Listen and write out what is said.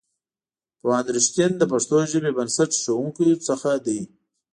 پوهاند رښتین د پښتو ژبې بنسټ ایښودونکو څخه دی.